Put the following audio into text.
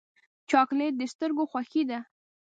چاکلېټ د سترګو خوښي ده.